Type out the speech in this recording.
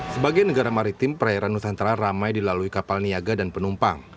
sebagai negara maritim perairan nusantara ramai dilalui kapal niaga dan penumpang